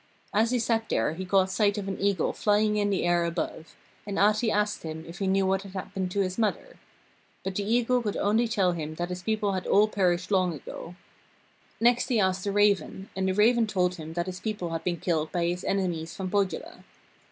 As he sat there he caught sight of an eagle flying in the air above, and Ahti asked him if he knew what had happened to his mother. But the eagle could only tell him that his people had all perished long go. Next he asked the raven, and the raven told him that his people had been killed by his enemies from Pohjola.